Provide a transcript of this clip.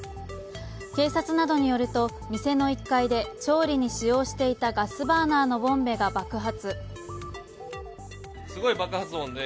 警察などによると店の１階で調理で使用していたガスバーナーのボンベが爆発。